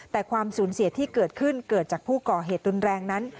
แต่ความสูญเสียที่เกิดขึ้นเกิดจากผู้ก่อเหตุรุนแรงนั้น